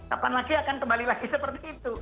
kapan lagi akan kembali lagi seperti itu